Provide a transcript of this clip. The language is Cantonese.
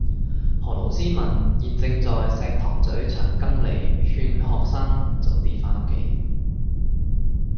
何老師問現正在石塘咀長庚里勸學生早啲返屋企